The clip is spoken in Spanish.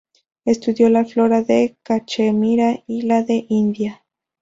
Estudió la flora de Cachemira y de la India.